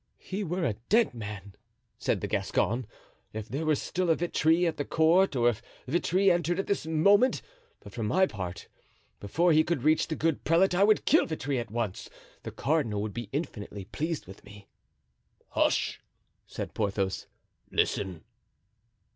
("He were a dead man" said the Gascon, "if there were still a Vitry at the court and if Vitry entered at this moment; but for my part, before he could reach the good prelate I would kill Vitry at once; the cardinal would be infinitely pleased with me." "Hush!" said Porthos; "listen.")